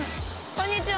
こんにちは。